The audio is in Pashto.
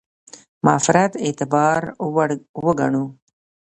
معرفت اعتبار وړ وګڼو.